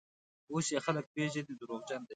اوس یې خلک پېژني: دروغجن دی.